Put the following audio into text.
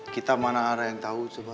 kita mana ada yang tahu coba